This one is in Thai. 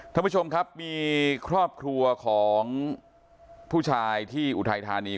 ท่านผู้ชมครับมีครอบครัวของผู้ชายที่อุทัยธานี